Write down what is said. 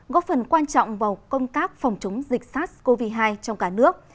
góp phần quan trọng vào công tác phòng chống dịch sars cov hai trong cả nước